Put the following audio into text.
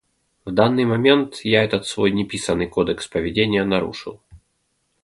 В данный момент я этот свой неписаный кодекс поведения нарушил.